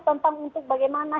tentang untuk bagaimana